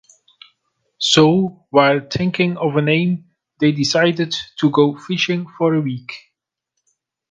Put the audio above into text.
So while thinking of a name, they decided to go fishing for a week.